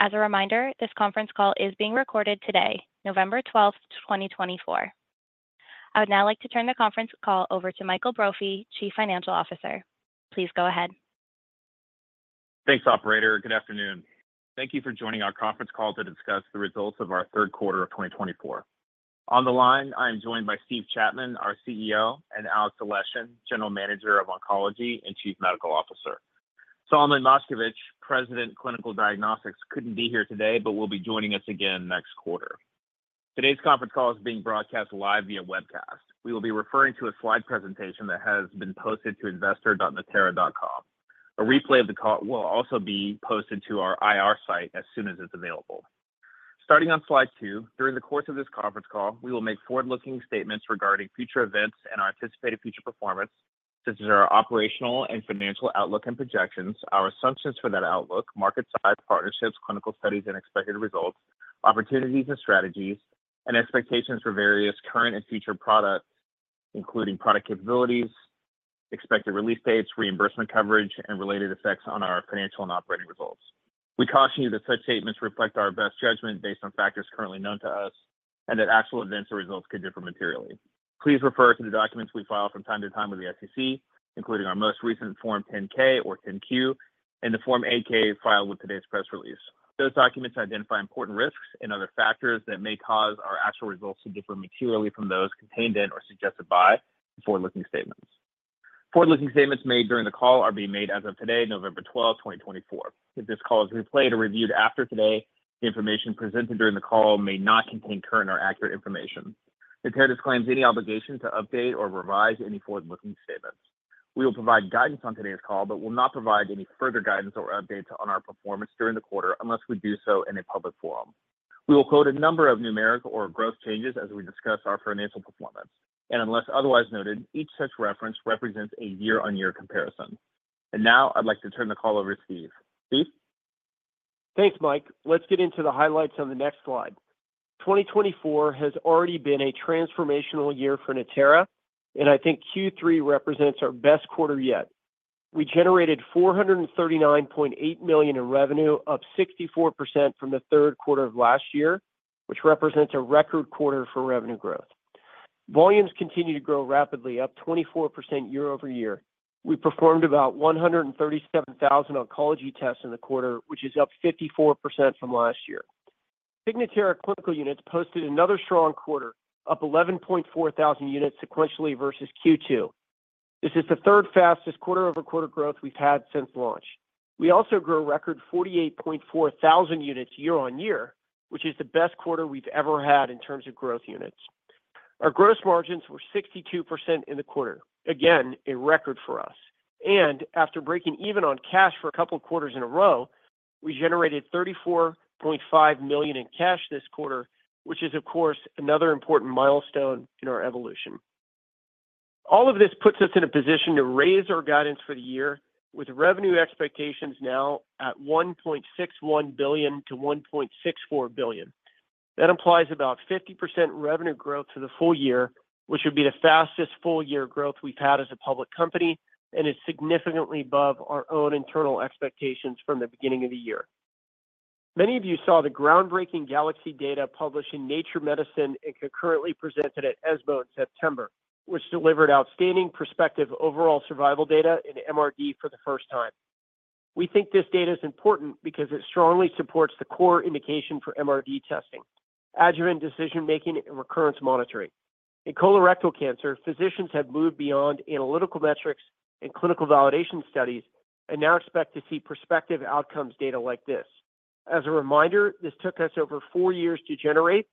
As a reminder, this conference call is being recorded today, November 12th, 2024. I would now like to turn the conference call over to Michael Brophy, Chief Financial Officer. Please go ahead. Thanks, Operator. Good afternoon. Thank you for joining our conference call to discuss the results of our Q3 of 2024. On the line, I am joined by Steve Chapman, our CEO, and Alex Aleshin, General Manager of Oncology and Chief Medical Officer. Solomon Moshkevich, President of Clinical Diagnostics, couldn't be here today, but will be joining us again next quarter. Today's conference call is being broadcast live via webcast. We will be referring to a slide presentation that has been posted to investor.natera.com. A replay of the call will also be posted to our IR site as soon as it's available. Starting on slide two, during the course of this conference call, we will make forward-looking statements regarding future events and our anticipated future performance, such as our operational and financial outlook and projections, our assumptions for that outlook, market size, partnerships, clinical studies, and expected results, opportunities and strategies, and expectations for various current and future products, including product capabilities, expected release dates, reimbursement coverage, and related effects on our financial and operating results. We caution you that such statements reflect our best judgment based on factors currently known to us and that actual events or results could differ materially. Please refer to the documents we file from time to time with the SEC, including our most recent Form 10-K or 10-Q and the Form 8-K filed with today's press release. Those documents identify important risks and other factors that may cause our actual results to differ materially from those contained in or suggested by forward-looking statements. Forward-looking statements made during the call are being made as of today, November 12th, 2024. If this call is replayed or reviewed after today, the information presented during the call may not contain current or accurate information. Natera disclaims any obligation to update or revise any forward-looking statements. We will provide guidance on today's call, but will not provide any further guidance or updates on our performance during the quarter unless we do so in a public forum. We will quote a number of numeric or growth changes as we discuss our financial performance, and unless otherwise noted, each such reference represents a year-on-year comparison. And now I'd like to turn the call over to Steve. Steve? Thanks, Mike. Let's get into the highlights on the next slide. 2024 has already been a transformational year for Natera, and I think Q3 represents our best quarter yet. We generated $439.8 million in revenue, up 64% from the Q3 of last year, which represents a record quarter for revenue growth. Volumes continue to grow rapidly, up 24% year-over-year. We performed about 137,000 oncology tests in the quarter, which is up 54% from last year. Signatera Clinical Units posted another strong quarter, up 11.4 thousand units sequentially versus Q2. This is the third fastest quarter-over-quarter growth we've had since launch. We also grew a record 48.4 thousand units year on year, which is the best quarter we've ever had in terms of growth units. Our gross margins were 62% in the quarter, again a record for us. And after breaking even on cash for a couple of quarters in a row, we generated $34.5 million in cash this quarter, which is, of course, another important milestone in our evolution. All of this puts us in a position to raise our guidance for the year, with revenue expectations now at $1.61 billion-$1.64 billion. That implies about 50% revenue growth for the full year, which would be the fastest full-year growth we've had as a public company and is significantly above our own internal expectations from the beginning of the year. Many of you saw the groundbreaking GALAXY data published in Nature Medicine and concurrently presented at ESMO in September, which delivered outstanding prospective overall survival data in MRD for the first time. We think this data is important because it strongly supports the core indication for MRD testing: adjuvant decision-making and recurrence monitoring. In colorectal cancer, physicians have moved beyond analytical metrics and clinical validation studies and now expect to see prospective outcomes data like this. As a reminder, this took us over four years to generate,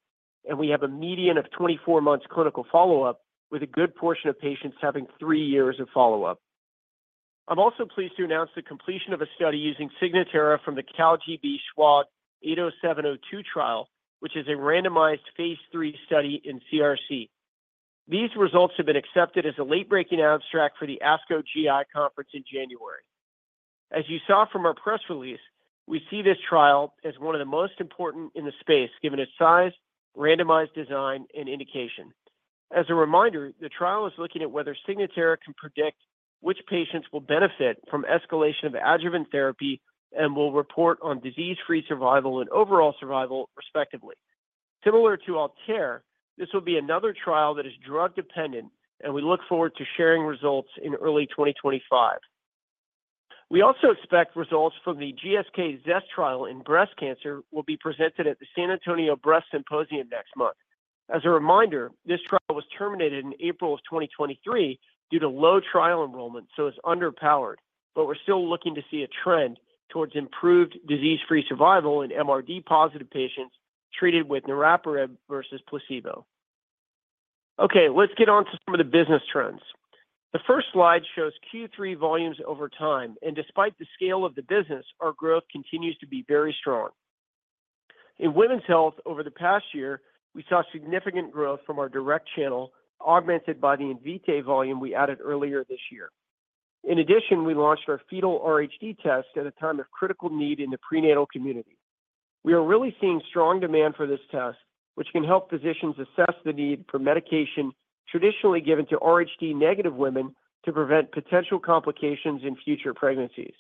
and we have a median of 24 months clinical follow-up, with a good portion of patients having three years of follow-up. I'm also pleased to announce the completion of a study using Signatera from the CALGB/SWOG 80702 trial, which is a randomized phase III study in CRC. These results have been accepted as a late-breaking abstract for the ASCO GI conference in January. As you saw from our press release, we see this trial as one of the most important in the space, given its size, randomized design, and indication. As a reminder, the trial is looking at whether Signatera can predict which patients will benefit from escalation of adjuvant therapy and will report on disease-free survival and overall survival, respectively. Similar to ALTAIR, this will be another trial that is drug-dependent, and we look forward to sharing results in early 2025. We also expect results from the GSK ZEST trial in breast cancer will be presented at the San Antonio Breast Cancer Symposium next month. As a reminder, this trial was terminated in April of 2023 due to low trial enrollment, so it's underpowered, but we're still looking to see a trend towards improved disease-free survival in MRD-positive patients treated with niraparib versus placebo. Okay, let's get on to some of the business trends. The first slide shows Q3 volumes over time, and despite the scale of the business, our growth continues to be very strong. In women's health, over the past year, we saw significant growth from our direct channel, augmented by the Invitae volume we added earlier this year. In addition, we launched our fetal RhD test at a time of critical need in the prenatal community. We are really seeing strong demand for this test, which can help physicians assess the need for medication traditionally given to RhD-negative women to prevent potential complications in future pregnancies.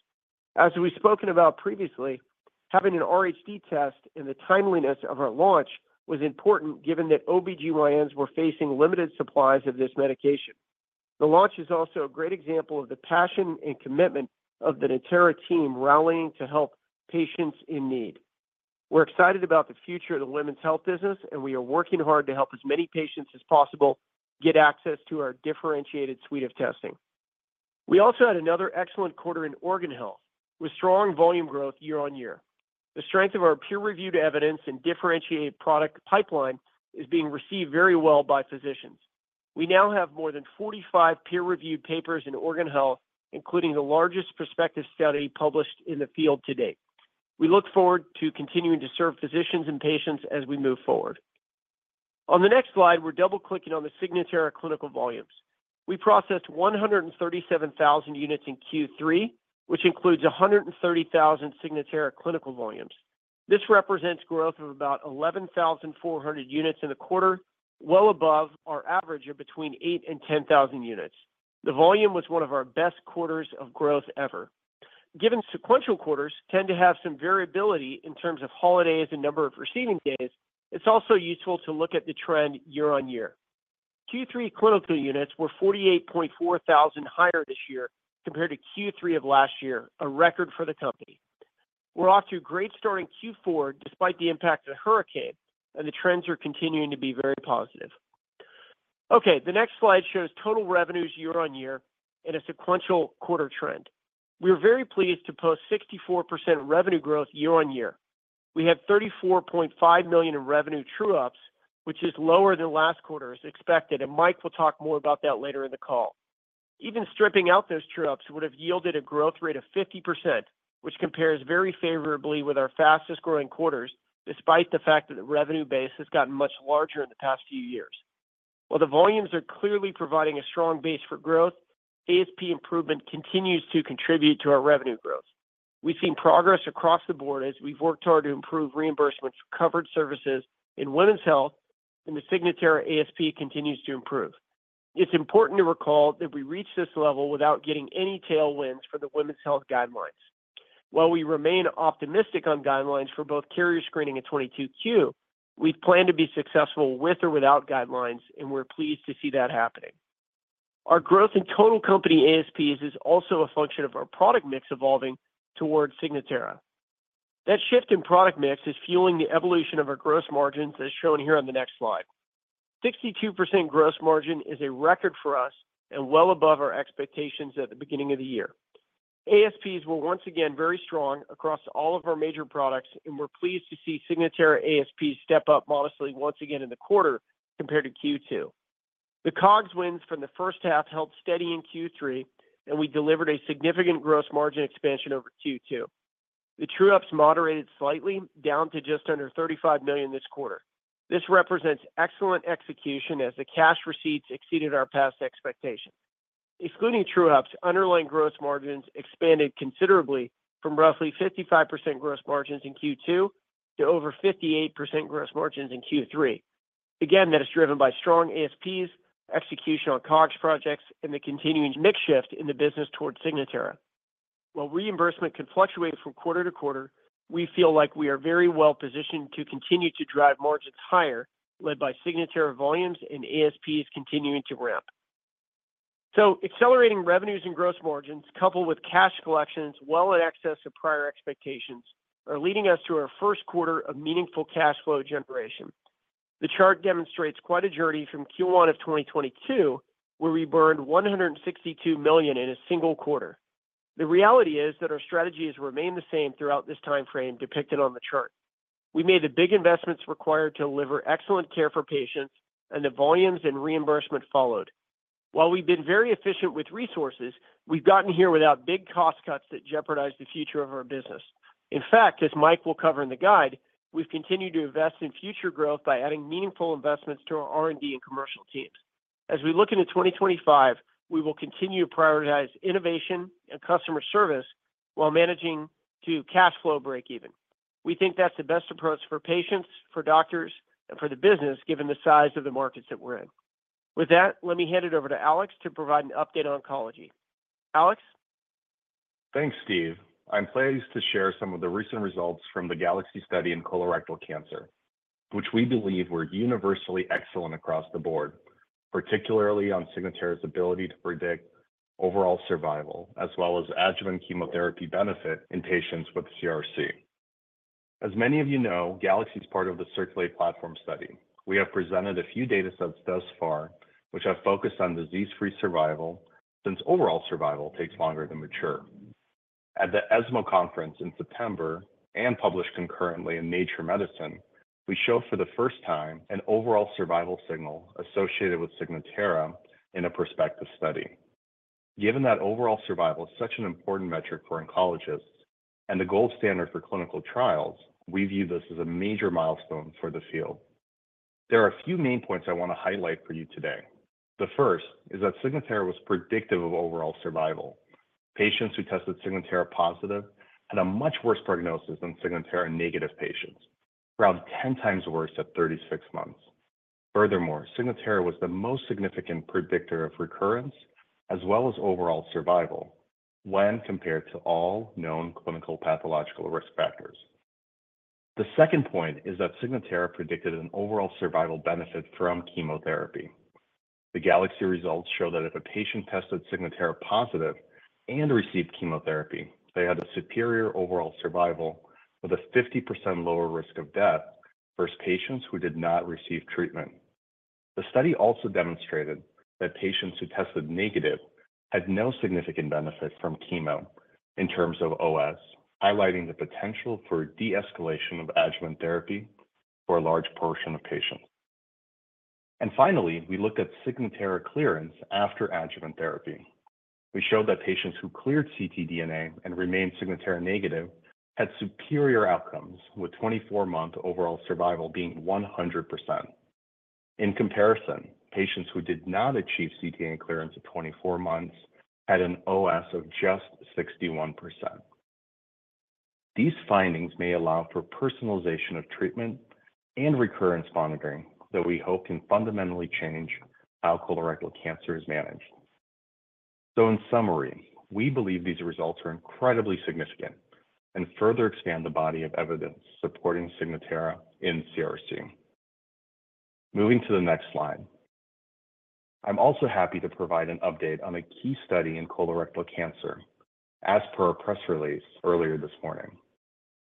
As we've spoken about previously, having an RhD test and the timeliness of our launch was important, given that OB-GYNs were facing limited supplies of this medication. The launch is also a great example of the passion and commitment of the Natera team rallying to help patients in need. We're excited about the future of the women's health business, and we are working hard to help as many patients as possible get access to our differentiated suite of testing. We also had another excellent quarter in organ health, with strong volume growth year on year. The strength of our peer-reviewed evidence and differentiated product pipeline is being received very well by physicians. We now have more than 45 peer-reviewed papers in organ health, including the largest prospective study published in the field to date. We look forward to continuing to serve physicians and patients as we move forward. On the next slide, we're double-clicking on the Signatera clinical volumes. We processed 137,000 units in Q3, which includes 130,000 Signatera clinical volumes. This represents growth of about 11,400 units in the quarter, well above our average of between 8 and 10,000 units. The volume was one of our best quarters of growth ever. Given sequential quarters tend to have some variability in terms of holidays and number of receiving days, it's also useful to look at the trend year on year. Q3 clinical units were 48.4 thousand higher this year compared to Q3 of last year, a record for the company. We're off to a great start in Q4 despite the impact of the hurricane, and the trends are continuing to be very positive. Okay, the next slide shows total revenues year on year and a sequential quarter trend. We are very pleased to post 64% revenue growth year on year. We have 34.5 million in revenue true-ups, which is lower than last quarter as expected, and Mike will talk more about that later in the call. Even stripping out those true-ups would have yielded a growth rate of 50%, which compares very favorably with our fastest growing quarters, despite the fact that the revenue base has gotten much larger in the past few years. While the volumes are clearly providing a strong base for growth, ASP improvement continues to contribute to our revenue growth. We've seen progress across the board as we've worked hard to improve reimbursement for covered services in women's health, and the Signatera ASP continues to improve. It's important to recall that we reached this level without getting any tailwinds for the women's health guidelines. While we remain optimistic on guidelines for both carrier screening and 22q, we've planned to be successful with or without guidelines, and we're pleased to see that happening. Our growth in total company ASPs is also a function of our product mix evolving towards Signatera. That shift in product mix is fueling the evolution of our gross margins, as shown here on the next slide. 62% gross margin is a record for us and well above our expectations at the beginning of the year. ASPs were once again very strong across all of our major products, and we're pleased to see Signatera ASPs step up modestly once again in the quarter compared to Q2. The COGS wins from the first half held steady in Q3, and we delivered a significant gross margin expansion over Q2. The true-ups moderated slightly, down to just under $35 million this quarter. This represents excellent execution as the cash receipts exceeded our past expectations. Excluding true-ups, underlying gross margins expanded considerably from roughly 55% gross margins in Q2 to over 58% gross margins in Q3. Again, that is driven by strong ASPs, execution on COGS projects, and the continuing shift in the business towards Signatera. While reimbursement can fluctuate from quarter to quarter, we feel like we are very well positioned to continue to drive margins higher, led by Signatera volumes and ASPs continuing to ramp. So, accelerating revenues and gross margins, coupled with cash collections well in excess of prior expectations, are leading us to our Q1 of meaningful cash flow generation. The chart demonstrates quite a journey from Q1 of 2022, where we burned $162 million in a single quarter. The reality is that our strategies remain the same throughout this timeframe depicted on the chart. We made the big investments required to deliver excellent care for patients, and the volumes and reimbursement followed. While we've been very efficient with resources, we've gotten here without big cost cuts that jeopardize the future of our business. In fact, as Mike will cover in the guide, we've continued to invest in future growth by adding meaningful investments to our R&D and commercial teams. As we look into 2025, we will continue to prioritize innovation and customer service while managing to cash flow break-even. We think that's the best approach for patients, for doctors, and for the business, given the size of the markets that we're in. With that, let me hand it over to Alex to provide an update on oncology. Alex? Thanks, Steve. I'm pleased to share some of the recent results from the GALAXY study in colorectal cancer, which we believe were universally excellent across the board, particularly on Signatera's ability to predict overall survival, as well as adjuvant chemotherapy benefit in patients with CRC. As many of you know, GALAXY is part of the CIRCULATE platform study. We have presented a few data sets thus far, which have focused on disease-free survival since overall survival takes longer to mature. At the ESMO conference in September and published concurrently in Nature Medicine, we showed for the first time an overall survival signal associated with Signatera in a prospective study. Given that overall survival is such an important metric for oncologists and the gold standard for clinical trials, we view this as a major milestone for the field. There are a few main points I want to highlight for you today. The first is that Signatera was predictive of overall survival. Patients who tested Signatera positive had a much worse prognosis than Signatera negative patients, around 10 times worse at 36 months. Furthermore, Signatera was the most significant predictor of recurrence as well as overall survival when compared to all known clinical pathological risk factors. The second point is that Signatera predicted an overall survival benefit from chemotherapy. The GALAXY results show that if a patient tested Signatera positive and received chemotherapy, they had a superior overall survival with a 50% lower risk of death versus patients who did not receive treatment. The study also demonstrated that patients who tested negative had no significant benefit from chemo in terms of OS, highlighting the potential for de-escalation of adjuvant therapy for a large portion of patients. Finally, we looked at Signatera clearance after adjuvant therapy. We showed that patients who cleared ctDNA and remained Signatera negative had superior outcomes, with 24-month overall survival being 100%. In comparison, patients who did not achieve ctDNA clearance at 24 months had an OS of just 61%. These findings may allow for personalization of treatment and recurrence monitoring that we hope can fundamentally change how colorectal cancer is managed. So, in summary, we believe these results are incredibly significant and further expand the body of evidence supporting Signatera in CRC. Moving to the next slide. I'm also happy to provide an update on a key study in colorectal cancer. As per our press release earlier this morning,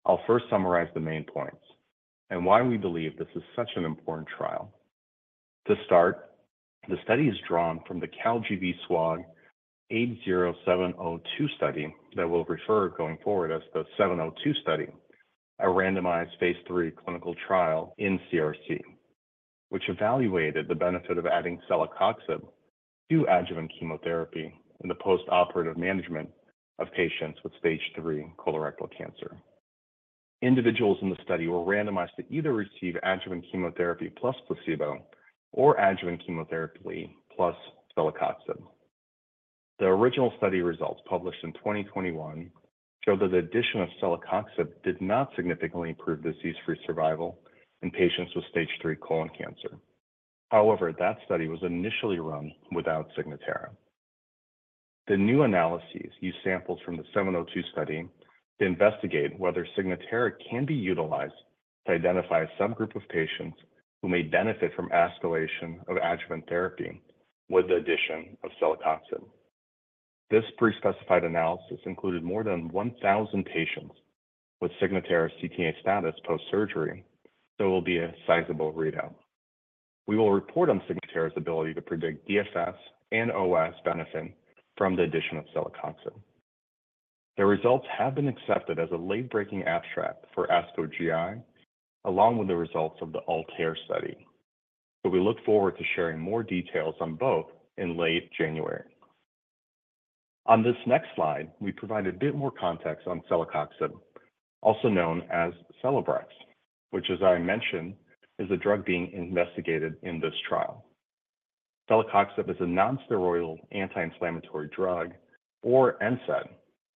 I'll first summarize the main points and why we believe this is such an important trial. To start, the study is drawn from the CALGB/SWOG 80702 study that we'll refer to going forward as the 702 study, a randomized phase III clinical trial in CRC, which evaluated the benefit of adding celecoxib to adjuvant chemotherapy in the post-operative management of patients with stage three colorectal cancer. Individuals in the study were randomized to either receive adjuvant chemotherapy plus placebo or adjuvant chemotherapy plus celecoxib. The original study results published in 2021 showed that the addition of celecoxib did not significantly improve disease-free survival in patients with stage three colon cancer. However, that study was initially run without Signatera. The new analyses use samples from the 702 study to investigate whether Signatera can be utilized to identify a subgroup of patients who may benefit from escalation of adjuvant therapy with the addition of celecoxib. This pre-specified analysis included more than 1,000 patients with Signatera ctDNA status post-surgery, so it will be a sizable readout. We will report on Signatera's ability to predict DFS and OS benefit from the addition of celecoxib. The results have been accepted as a late-breaking abstract for ASCO GI, along with the results of the ALTAIR study. So, we look forward to sharing more details on both in late January. On this next slide, we provide a bit more context on celecoxib, also known as Celebrex, which, as I mentioned, is the drug being investigated in this trial. Celecoxib is a nonsteroidal anti-inflammatory drug or NSAID,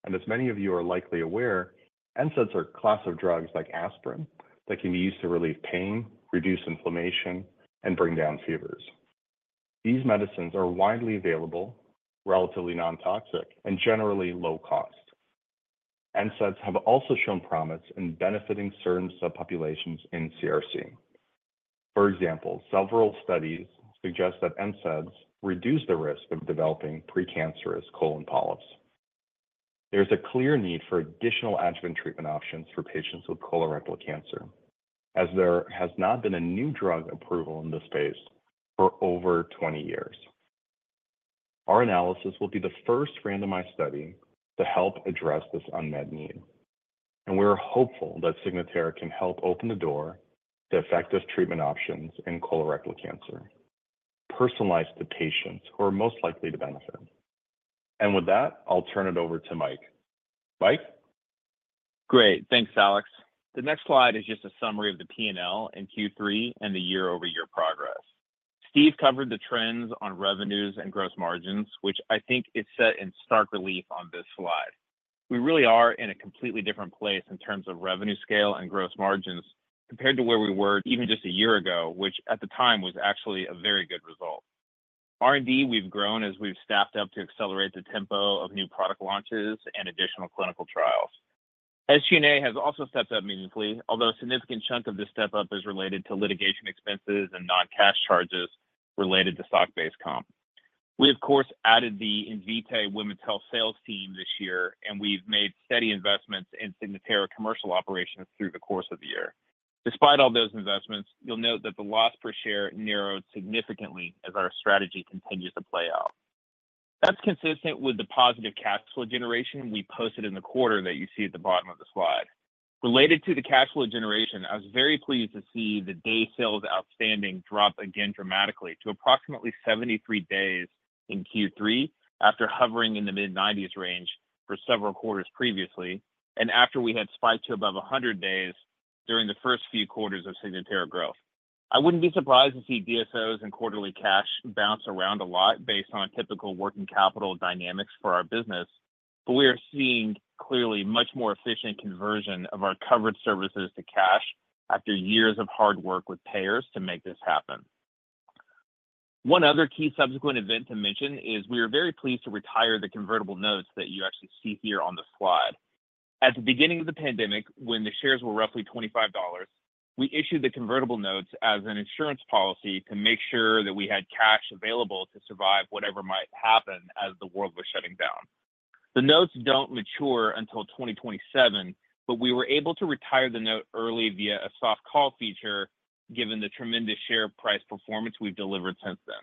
and as many of you are likely aware, NSAIDs are a class of drugs like aspirin that can be used to relieve pain, reduce inflammation, and bring down fevers. These medicines are widely available, relatively non-toxic, and generally low cost. NSAIDs have also shown promise in benefiting certain subpopulations in CRC. For example, several studies suggest that NSAIDs reduce the risk of developing precancerous colon polyps. There's a clear need for additional adjuvant treatment options for patients with colorectal cancer, as there has not been a new drug approval in this space for over 20 years. ALTAIR will be the first randomized study to help address this unmet need, and we're hopeful that Signatera can help open the door to effective treatment options in colorectal cancer, personalized to patients who are most likely to benefit. And with that, I'll turn it over to Mike. Mike? Great. Thanks, Alex. The next slide is just a summary of the P&L in Q3 and the year-over-year progress. Steve covered the trends on revenues and gross margins, which I think is set in stark relief on this slide. We really are in a completely different place in terms of revenue scale and gross margins compared to where we were even just a year ago, which at the time was actually a very good result. R&D, we've grown as we've staffed up to accelerate the tempo of new product launches and additional clinical trials. SG&A has also stepped up meaningfully, although a significant chunk of this step-up is related to litigation expenses and non-cash charges related to stock-based comp. We, of course, added the Invitae Women's Health Sales team this year, and we've made steady investments in Signatera commercial operations through the course of the year. Despite all those investments, you'll note that the loss per share narrowed significantly as our strategy continues to play out. That's consistent with the positive cash flow generation we posted in the quarter that you see at the bottom of the slide. Related to the cash flow generation, I was very pleased to see the day sales outstanding drop again dramatically to approximately 73 days in Q3 after hovering in the mid-90s range for several quarters previously, and after we had spiked to above 100 days during the first few quarters of Signatera growth. I wouldn't be surprised to see DSOs and quarterly cash bounce around a lot based on typical working capital dynamics for our business, but we are seeing clearly much more efficient conversion of our covered services to cash after years of hard work with payers to make this happen. One other key subsequent event to mention is we are very pleased to retire the convertible notes that you actually see here on the slide. At the beginning of the pandemic, when the shares were roughly $25, we issued the convertible notes as an insurance policy to make sure that we had cash available to survive whatever might happen as the world was shutting down. The notes don't mature until 2027, but we were able to retire the note early via a soft call feature, given the tremendous share price performance we've delivered since then.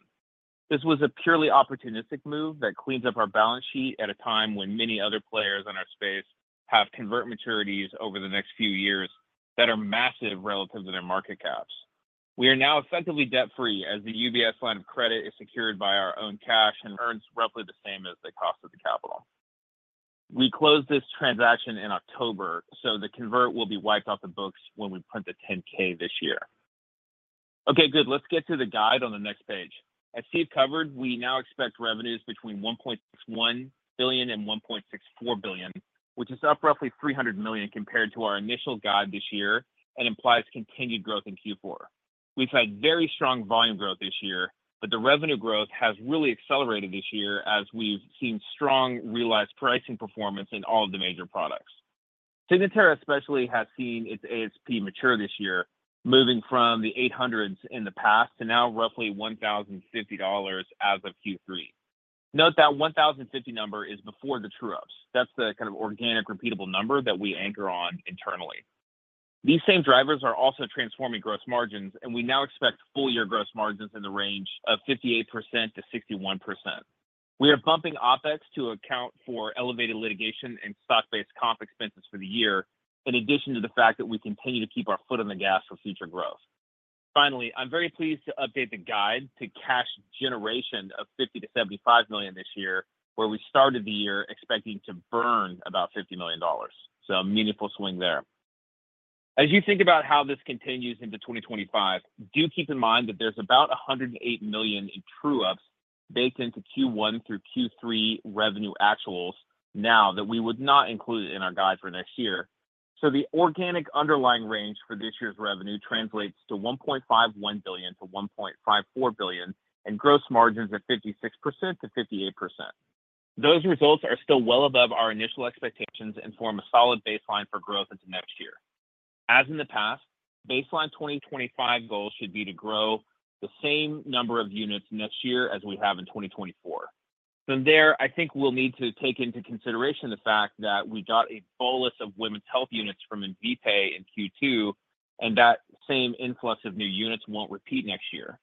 This was a purely opportunistic move that cleans up our balance sheet at a time when many other players in our space have convert maturities over the next few years that are massive relative to their market caps. We are now effectively debt-free as the UBS line of credit is secured by our own cash and earns roughly the same as the cost of the capital. We closed this transaction in October, so the convert will be wiped off the books when we print the 10-K this year. Okay, good. Let's get to the guide on the next page. As Steve covered, we now expect revenues between $1.61 billion and $1.64 billion, which is up roughly $300 million compared to our initial guide this year and implies continued growth in Q4. We've had very strong volume growth this year, but the revenue growth has really accelerated this year as we've seen strong realized pricing performance in all of the major products. Signatera especially has seen its ASP mature this year, moving from the 800s in the past to now roughly $1,050 as of Q3. Note that 1,050 number is before the true-ups. That's the kind of organic, repeatable number that we anchor on internally. These same drivers are also transforming gross margins, and we now expect full-year gross margins in the range of 58% to 61%. We are bumping OpEx to account for elevated litigation and stock-based comp expenses for the year, in addition to the fact that we continue to keep our foot on the gas for future growth. Finally, I'm very pleased to update the guide to cash generation of $50 million-$75 million this year, where we started the year expecting to burn about $50 million. So, a meaningful swing there. As you think about how this continues into 2025, do keep in mind that there's about $108 million in true-ups baked into Q1 through Q3 revenue actuals now that we would not include in our guide for next year. The organic underlying range for this year's revenue translates to $1.51 billion-$1.54 billion, and gross margins are 56%-58%. Those results are still well above our initial expectations and form a solid baseline for growth into next year. As in the past, baseline 2025 goals should be to grow the same number of units next year as we have in 2024. From there, I think we'll need to take into consideration the fact that we got a bolus of women's health units from Invitae in Q2, and that same influx of new units won't repeat next year.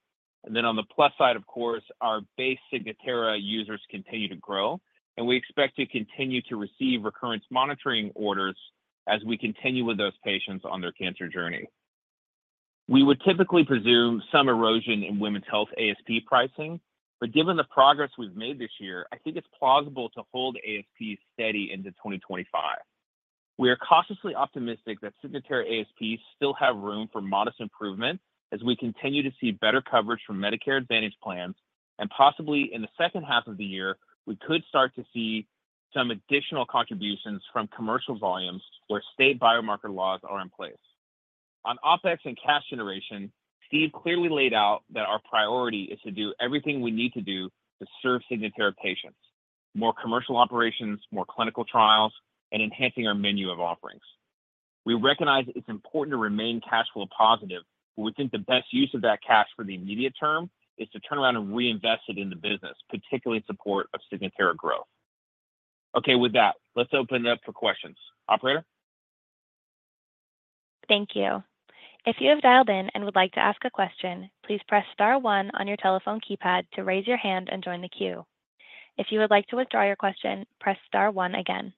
And then, on the plus side, of course, our base Signatera users continue to grow, and we expect to continue to receive recurrence monitoring orders as we continue with those patients on their cancer journey. We would typically presume some erosion in women's health ASP pricing, but given the progress we've made this year, I think it's plausible to hold ASP steady into 2025. We are cautiously optimistic that Signatera ASPs still have room for modest improvement as we continue to see better coverage from Medicare Advantage plans, and possibly in the second half of the year, we could start to see some additional contributions from commercial volumes where state biomarker laws are in place. On OPEX and cash generation, Steve clearly laid out that our priority is to do everything we need to do to serve Signatera patients: more commercial operations, more clinical trials, and enhancing our menu of offerings. We recognize it's important to remain cash flow positive, but we think the best use of that cash for the immediate term is to turn around and reinvest it in the business, particularly in support of Signatera growth. Okay, with that, let's open it up for questions. Operator? Thank you. If you have dialed in and would like to ask a question, please press star one on your telephone keypad to raise your hand and join the queue. If you would like to withdraw your question, press star one again.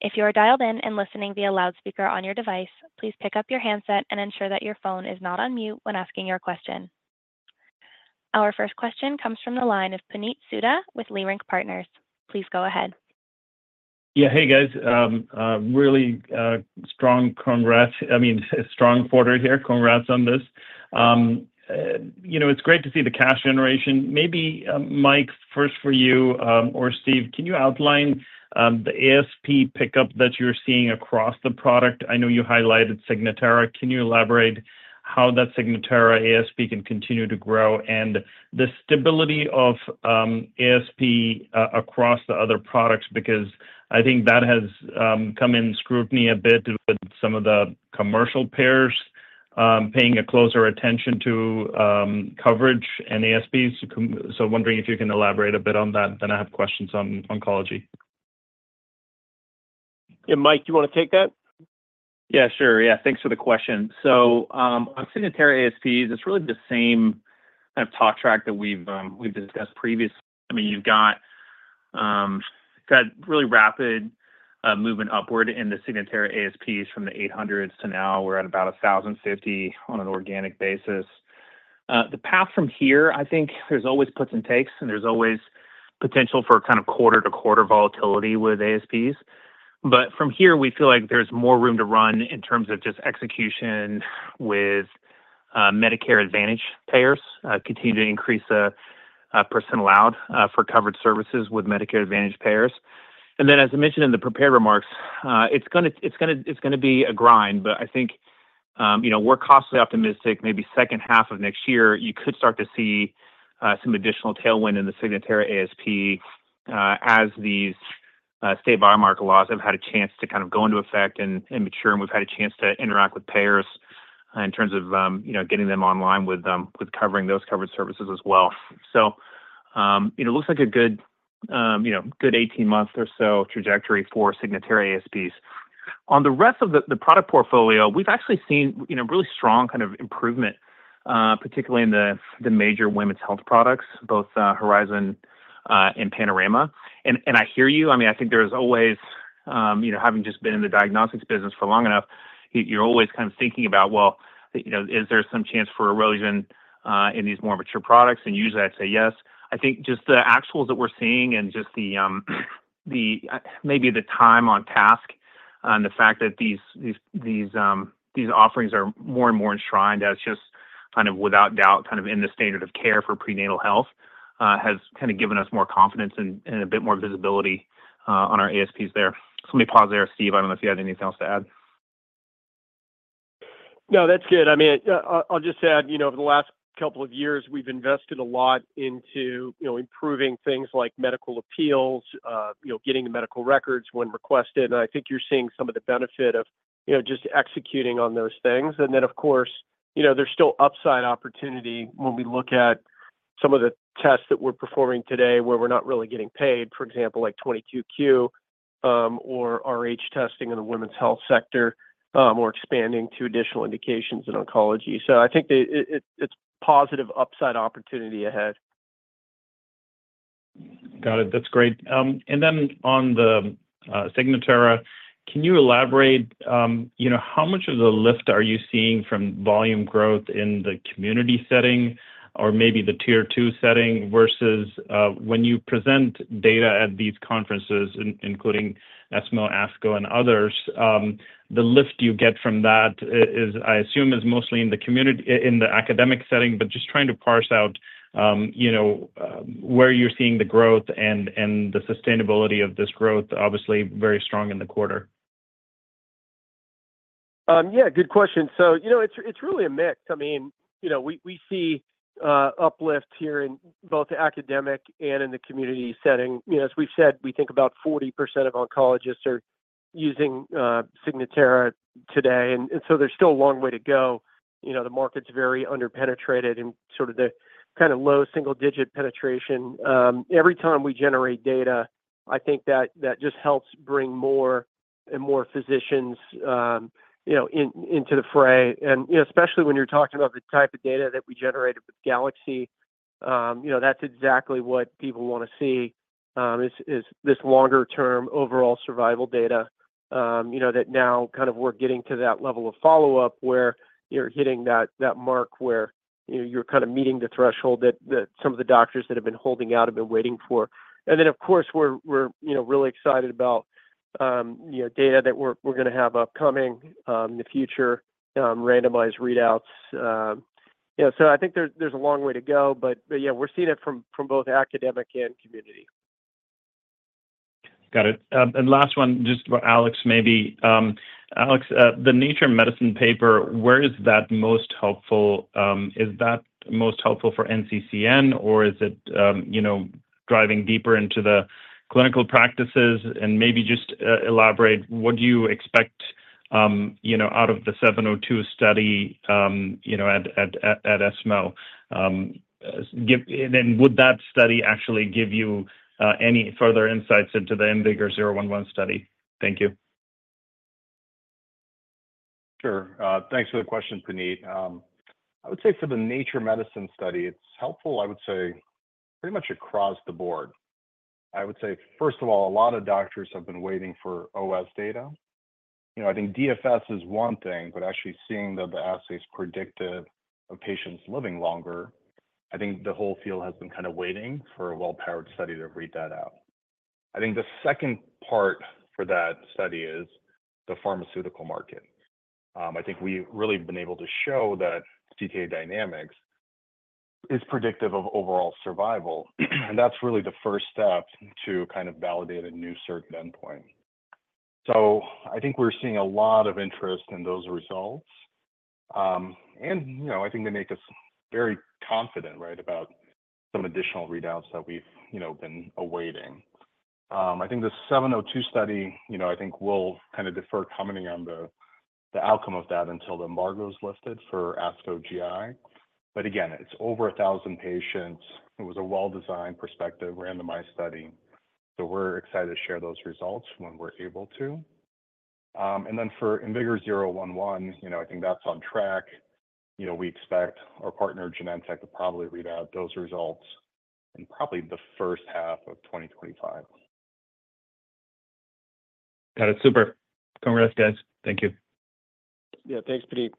If you are dialed in and listening via loudspeaker on your device, please pick up your handset and ensure that your phone is not on mute when asking your question. Our first question comes from the line of Puneet Souda with Leerink Partners. Please go ahead. Yeah, hey, guys. Really strong congrats. I mean, strong quarter here. Congrats on this. You know, it's great to see the cash generation. Maybe, Mike, first for you or Steve, can you outline the ASP pickup that you're seeing across the product? I know you highlighted Signatera. Can you elaborate how that Signatera ASP can continue to grow and the stability of ASP across the other products? Because I think that has come in scrutiny a bit with some of the commercial payers paying closer attention to coverage and ASPs. So, wondering if you can elaborate a bit on that. Then I have questions on oncology. Yeah, Mike, do you want to take that? Yeah, sure. Yeah, thanks for the question. So, on Signatera ASPs, it's really the same kind of talk track that we've discussed previously. I mean, you've got really rapid movement upward in the Signatera ASPs from the $800s to now we're at about $1,050 on an organic basis. The path from here, I think there's always puts and takes, and there's always potential for kind of quarter-to-quarter volatility with ASPs. But from here, we feel like there's more room to run in terms of just execution with Medicare Advantage payers continuing to increase the % allowed for covered services with Medicare Advantage payers. And then, as I mentioned in the prepared remarks, it's going to be a grind, but I think we're cautiously optimistic. Maybe second half of next year you could start to see some additional tailwind in the Signatera ASP as these state biomarker laws have had a chance to kind of go into effect and mature, and we've had a chance to interact with payers in terms of getting them online with covering those covered services as well. So, it looks like a good 18-month or so trajectory for Signatera ASPs. On the rest of the product portfolio, we've actually seen really strong kind of improvement, particularly in the major women's health products, both Horizon and Panorama. And I hear you. I mean, I think there's always, having just been in the diagnostics business for long enough, you're always kind of thinking about, well, is there some chance for erosion in these more mature products? And usually, I'd say yes. I think just the actuals that we're seeing and just maybe the time on task and the fact that these offerings are more and more enshrined as just kind of without doubt kind of in the standard of care for prenatal health has kind of given us more confidence and a bit more visibility on our ASPs there. So let me pause there, Steve. I don't know if you had anything else to add. No, that's good. I mean, I'll just add, over the last couple of years, we've invested a lot into improving things like medical appeals, getting the medical records when requested. And I think you're seeing some of the benefit of just executing on those things. And then, of course, there's still upside opportunity when we look at some of the tests that we're performing today where we're not really getting paid, for example, like 22q or RhD testing in the women's health sector or expanding to additional indications in oncology. So I think it's positive upside opportunity ahead. Got it. That's great. And then on the Signatera, can you elaborate how much of the lift are you seeing from volume growth in the community setting or maybe the tier-two setting versus when you present data at these conferences, including ESMO, ASCO, and others? The lift you get from that, I assume, is mostly in the academic setting, but just trying to parse out where you're seeing the growth and the sustainability of this growth, obviously very strong in the quarter. Yeah, good question. So, you know, it's really a mix. I mean, we see uplift here in both the academic and in the community setting. As we've said, we think about 40% of oncologists are using Signatera today. And so there's still a long way to go. The market's very underpenetrated in sort of the kind of low single-digit penetration. Every time we generate data, I think that just helps bring more and more physicians into the fray. And especially when you're talking about the type of data that we generated with GALAXY, that's exactly what people want to see is this longer-term overall survival data that now kind of we're getting to that level of follow-up where you're hitting that mark where you're kind of meeting the threshold that some of the doctors that have been holding out have been waiting for. And then, of course, we're really excited about data that we're going to have upcoming in the future, randomized readouts. So I think there's a long way to go, but yeah, we're seeing it from both academic and community. Got it. And last one, just for Alex maybe. Alex, the Nature Medicine paper, where is that most helpful? Is that most helpful for NCCN, or is it driving deeper into the clinical practices? And maybe just elaborate, what do you expect out of the 702 study at ESMO? And would that study actually give you any further insights into the IMvigor011 study? Thank you. Sure. Thanks for the question, Puneet. I would say for the Nature Medicine study, it's helpful, I would say, pretty much across the board. I would say, first of all, a lot of doctors have been waiting for OS data. I think DFS is one thing, but actually seeing that the assay is predictive of patients living longer, I think the whole field has been kind of waiting for a well-powered study to read that out. I think the second part for that study is the pharmaceutical market. I think we really have been able to show that ctDNA dynamics is predictive of overall survival. And that's really the first step to kind of validate a new certain endpoint. So I think we're seeing a lot of interest in those results. And I think they make us very confident, right, about some additional readouts that we've been awaiting. I think the 702 study. I think we'll kind of defer commenting on the outcome of that until the embargo is lifted for ASCO GI. But again, it's over 1,000 patients. It was a well-designed, prospective, randomized study. So we're excited to share those results when we're able to. And then for IMvigor011, I think that's on track. We expect our partner, Genentech, to probably read out those results in probably the first half of 2025. Got it. Super. Congrats, guys. Thank you. Yeah, thanks, Puneet.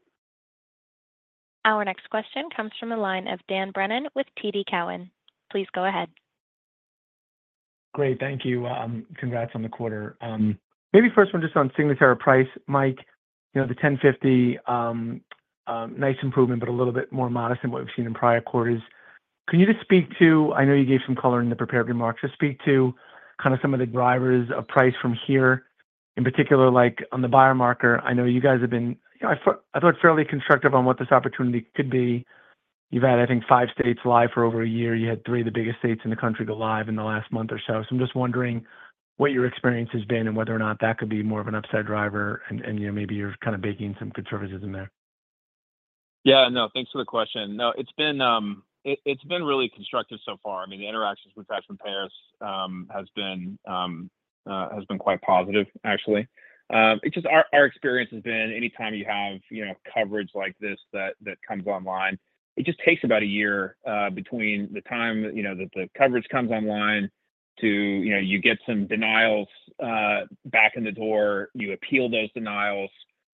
Our next question comes from a line of Dan Brennan with TD Cowen. Please go ahead. Great. Thank you. Congrats on the quarter. Maybe first one just on Signatera price. Mike, the $1,050, nice improvement, but a little bit more modest than what we've seen in prior quarters. Can you just speak to, I know you gave some color in the prepared remarks, just speak to kind of some of the drivers of price from here, in particular, like on the biomarker. I know you guys have been, I thought, fairly constructive on what this opportunity could be. You've had, I think, five states live for over a year. You had three of the biggest states in the country go live in the last month or so. So I'm just wondering what your experience has been and whether or not that could be more of an upside driver, and maybe you're kind of baking some good services in there. Yeah, no, thanks for the question. No, it's been really constructive so far. I mean, the interactions we've had from payers has been quite positive, actually. Just our experience has been anytime you have coverage like this that comes online, it just takes about a year between the time that the coverage comes online to you get some denials back in the door, you appeal those denials,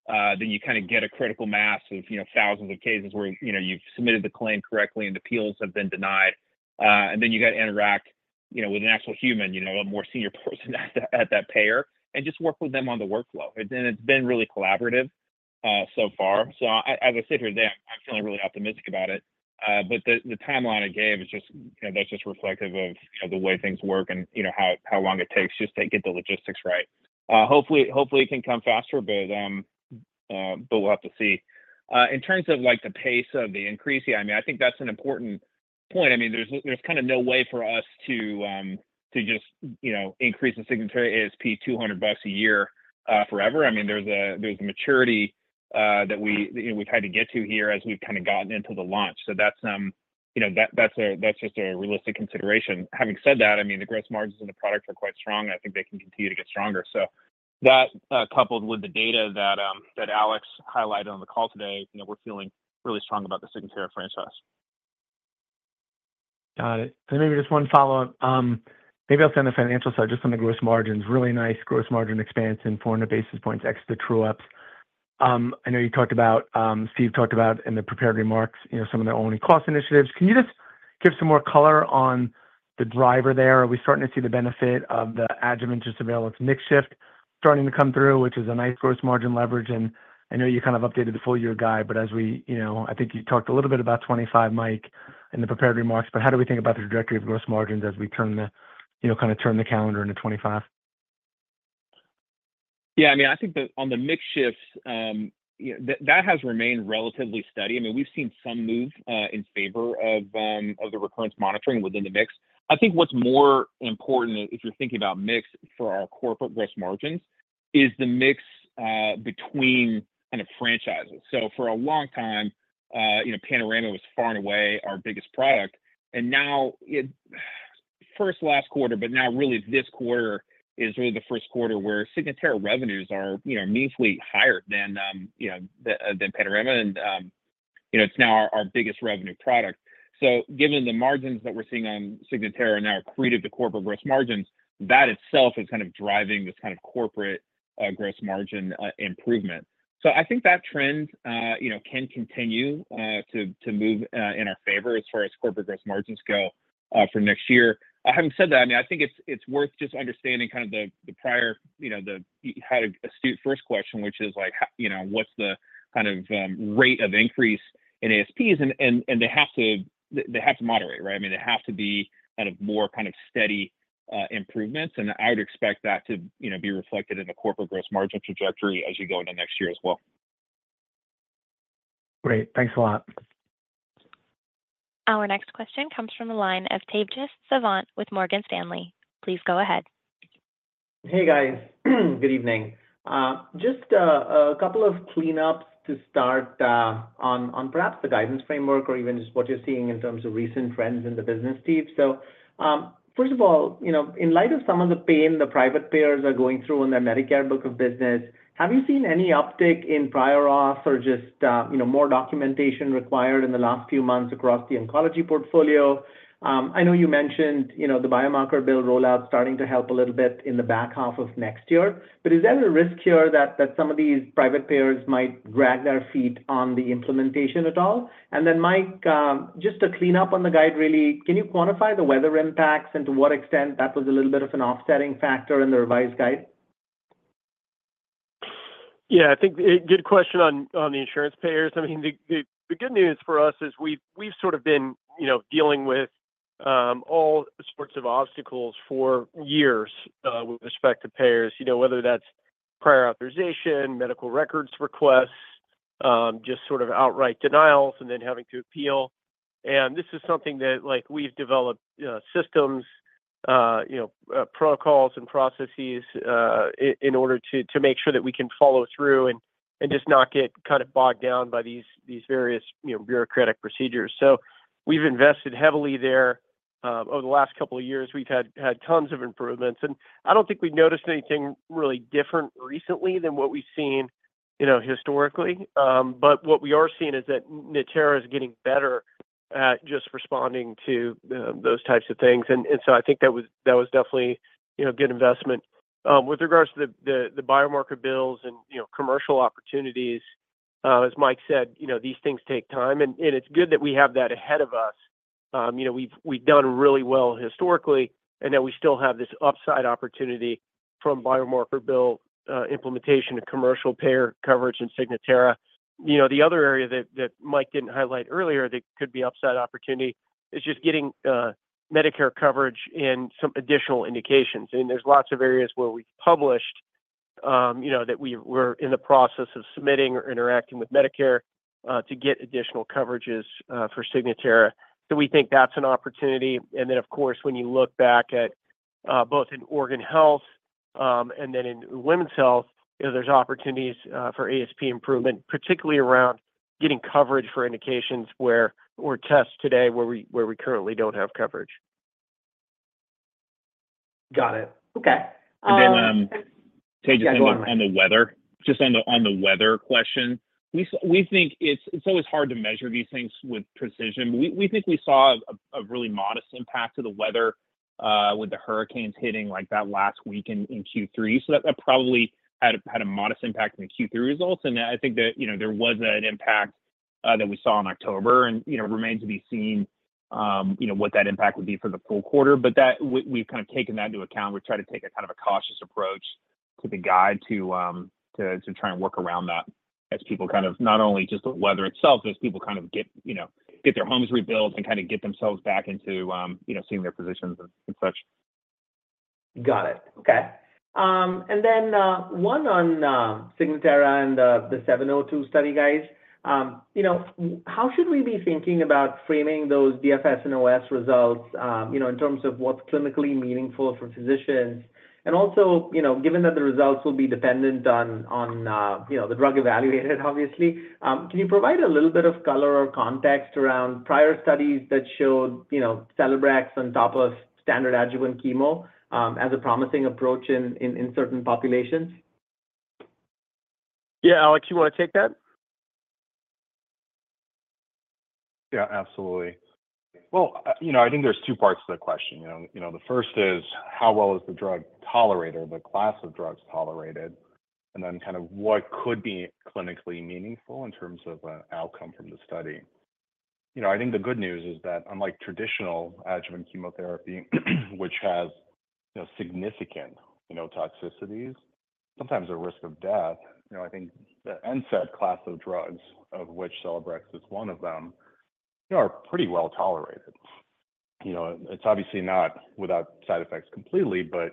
then you kind of get a critical mass of thousands of cases where you've submitted the claim correctly and appeals have been denied. And then you got to interact with an actual human, a more senior person at that payer, and just work with them on the workflow. And it's been really collaborative so far. So as I sit here today, I'm feeling really optimistic about it. But the timeline I gave is just, that's just reflective of the way things work and how long it takes just to get the logistics right. Hopefully, it can come faster, but we'll have to see. In terms of the pace of the increase, yeah, I mean, I think that's an important point. I mean, there's kind of no way for us to just increase the Signatera ASP $200 a year forever. I mean, there's the maturity that we've had to get to here as we've kind of gotten into the launch. So that's just a realistic consideration. Having said that, I mean, the gross margins in the product are quite strong. I think they can continue to get stronger. So that coupled with the data that Alex highlighted on the call today, we're feeling really strong about the Signatera franchise. Got it. And maybe just one follow-up. Maybe I'll say on the financial side, just on the gross margins, really nice gross margin expansion in 400 basis points, ex the true-ups. I know you talked about, Steve talked about in the prepared remarks, some of the ongoing cost initiatives. Can you just give some more color on the driver there? Are we starting to see the benefit of the Signatera just available to Medicare starting to come through, which is a nice gross margin leverage? And I know you kind of updated the full year guide, but as we, I think you talked a little bit about 2025, Mike, in the prepared remarks, but how do we think about the trajectory of gross margins as we kind of turn the calendar into 2025? Yeah, I mean, I think that on the makeup, that has remained relatively steady. I mean, we've seen some move in favor of the recurrence monitoring within the mix. I think what's more important, if you're thinking about mix for our corporate gross margins, is the mix between kind of franchises. So for a long time, Panorama was far and away our biggest product. And now, first last quarter, but now really this quarter is really the Q1 where Signatera revenues are meaningfully higher than Panorama. And it's now our biggest revenue product. So given the margins that we're seeing on Signatera now accretive to corporate gross margins, that itself is kind of driving this kind of corporate gross margin improvement. So I think that trend can continue to move in our favor as far as corporate gross margins go for next year. Having said that, I mean, I think it's worth just understanding kind of the prior, the, had a stupid first question, which is like, what's the kind of rate of increase in ASPs? And they have to moderate, right? I mean, they have to be kind of more kind of steady improvements. And I would expect that to be reflected in the corporate gross margin trajectory as you go into next year as well. Great. Thanks a lot. Our next question comes from a line of Tejas Savant with Morgan Stanley. Please go ahead. Hey, guys. Good evening. Just a couple of cleanups to start on perhaps the guidance framework or even just what you're seeing in terms of recent trends in the business, Steve. So first of all, in light of some of the pain the private payers are going through in their Medicare book of business, have you seen any uptick in prior auth or just more documentation required in the last few months across the oncology portfolio? I know you mentioned the biomarker bill rollout starting to help a little bit in the back half of next year. But is there a risk here that some of these private payers might drag their feet on the implementation at all? And then, Mike, just a cleanup on the guide, really. Can you quantify the weather impacts and to what extent that was a little bit of an offsetting factor in the revised guide? Yeah, I think good question on the insurance payers. I mean, the good news for us is we've sort of been dealing with all sorts of obstacles for years with respect to payers, whether that's prior authorization, medical records requests, just sort of outright denials, and then having to appeal. And this is something that we've developed systems, protocols, and processes in order to make sure that we can follow through and just not get kind of bogged down by these various bureaucratic procedures. So we've invested heavily there. Over the last couple of years, we've had tons of improvements. And I don't think we've noticed anything really different recently than what we've seen historically. But what we are seeing is that Natera is getting better at just responding to those types of things. And so I think that was definitely a good investment. With regards to the biomarker bills and commercial opportunities, as Mike said, these things take time. And it's good that we have that ahead of us. We've done really well historically, and then we still have this upside opportunity from biomarker bill implementation and commercial payer coverage and Signatera. The other area that Mike didn't highlight earlier that could be upside opportunity is just getting Medicare coverage and some additional indications. And there's lots of areas where we've published that we were in the process of submitting or interacting with Medicare to get additional coverages for Signatera. So we think that's an opportunity. And then, of course, when you look back at both in organ health and then in women's health, there's opportunities for ASP improvement, particularly around getting coverage for indications or tests today where we currently don't have coverage. Got it. Okay. And then Tejas, do you want to add on the weather? Just on the weather question, we think it's always hard to measure these things with precision. We think we saw a really modest impact to the weather with the hurricanes hitting that last week in Q3. So that probably had a modest impact in the Q3 results. I think that there was an impact that we saw in October and remains to be seen what that impact would be for the full quarter. We've kind of taken that into account. We're trying to take a kind of a cautious approach to the guide to try and work around that as people kind of not only just the weather itself, as people kind of get their homes rebuilt and kind of get themselves back into seeing their physicians and such. Got it. Okay. And then one on Signatera and the 702 study, guys. How should we be thinking about framing those DFS and OS results in terms of what's clinically meaningful for physicians? And also, given that the results will be dependent on the drug evaluated, obviously, can you provide a little bit of color or context around prior studies that showed Celebrex on top of standard adjuvant chemo as a promising approach in certain populations? Yeah, Alex, you want to take that? Yeah, absolutely. Well, I think there's two parts to the question. The first is how well is the drug tolerated or the class of drugs tolerated, and then kind of what could be clinically meaningful in terms of an outcome from the study. I think the good news is that unlike traditional adjuvant chemotherapy, which has significant toxicities, sometimes a risk of death, I think the NSAID class of drugs, of which Celebrex is one of them, are pretty well tolerated. It's obviously not without side effects completely, but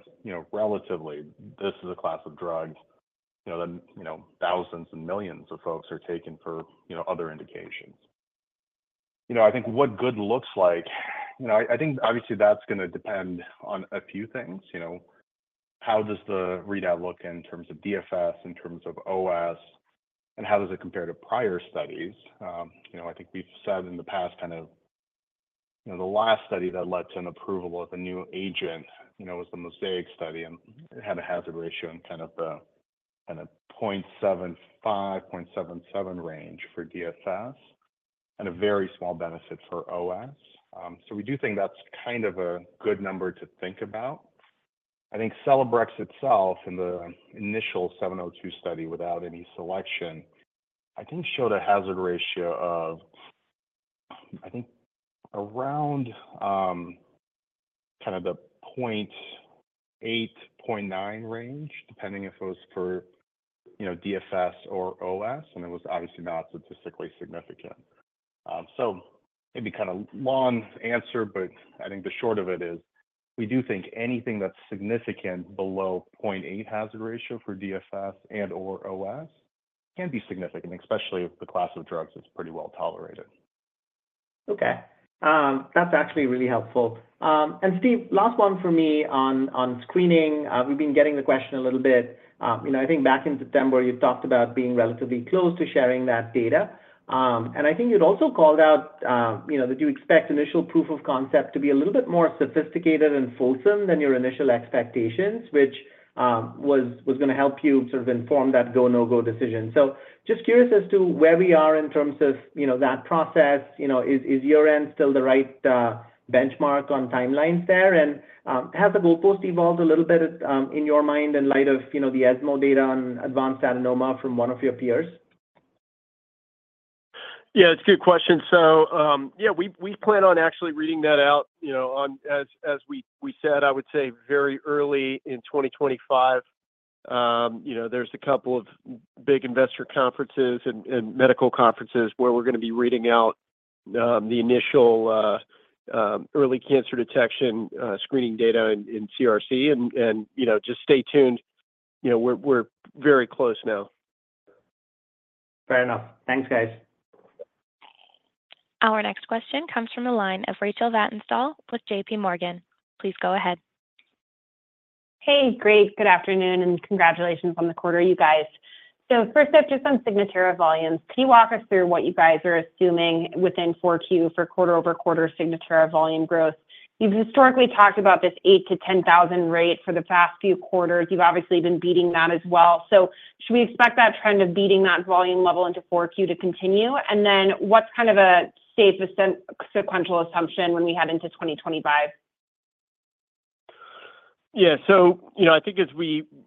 relatively, this is a class of drugs that thousands and millions of folks are taking for other indications. I think what good looks like, I think obviously that's going to depend on a few things. How does the readout look in terms of DFS, in terms of OS, and how does it compare to prior studies? I think we've said in the past kind of the last study that led to an approval of a new agent was the MOSAIC study and had a hazard ratio in kind of the 0.75-0.77 range for DFS and a very small benefit for OS. So we do think that's kind of a good number to think about. I think Celebrex itself in the initial 702 study without any selection, I think showed a hazard ratio of, I think, around kind of the 0.8-0.9 range, depending if it was for DFS or OS, and it was obviously not statistically significant. So maybe kind of long answer, but I think the short of it is we do think anything that's significant below 0.8 hazard ratio for DFS and/or OS can be significant, especially if the class of drugs is pretty well tolerated. Okay. That's actually really helpful. And Steve, last one for me on screening. We've been getting the question a little bit. I think back in September, you talked about being relatively close to sharing that data. And I think you'd also called out that you expect initial proof of concept to be a little bit more sophisticated and fulsome than your initial expectations, which was going to help you sort of inform that go, no-go decision. So just curious as to where we are in terms of that process. Is your end still the right benchmark on timelines there? And has the goalpost evolved a little bit in your mind in light of the ESMO data on advanced adenoma from one of your peers? Yeah, it's a good question. So yeah, we plan on actually reading that out. As we said, I would say very early in 2025, there's a couple of big investor conferences and medical conferences where we're going to be reading out the initial early cancer detection screening data in CRC, and just stay tuned. We're very close now. Fair enough. Thanks, guys. Our next question comes from a line of Rachel Vatnsdal with J.P. Morgan. Please go ahead. Hey, great. Good afternoon and congratulations on the quarter, you guys. So first up, just on Signatera volumes, can you walk us through what you guys are assuming within 4Q for quarter-over-quarter Signatera volume growth? You've historically talked about this eight-10,000 rate for the past few quarters. You've obviously been beating that as well. So should we expect that trend of beating that volume level into 4Q to continue? And then what's kind of a safe sequential assumption when we head into 2025? Yeah. So I think as